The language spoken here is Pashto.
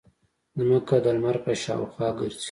ځمکه د لمر په شاوخوا ګرځي.